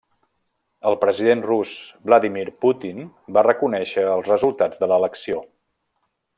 El president rus Vladímir Putin va reconèixer els resultats de l'elecció.